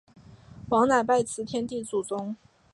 王乃拜辞天地祖宗。